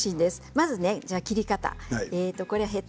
まず切り方です。